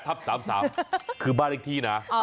ที่๓๘ทัพ๓๓คือบ้านอีกที่นะ